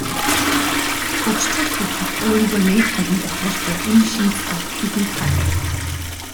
Хөгшчүүлд хүртэл өөрийгөө нээх боломж олгож буй энэ шинэ цаг үе тэдэнд таалагддаг.